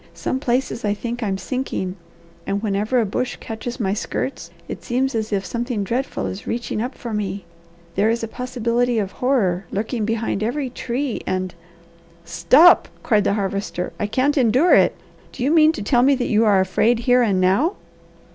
Some places I think I'm sinking, and whenever a bush catches my skirts it seems as if something dreadful is reaching up for me; there is a possibility of horror lurking behind every tree and " "Stop!" cried the Harvester. "I can't endure it! Do you mean to tell me that you are afraid here and now?"